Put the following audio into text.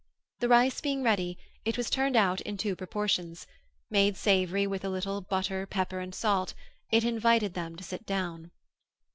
The rice being ready, it was turned out in two proportions; made savoury with a little butter, pepper, and salt, it invited them to sit down.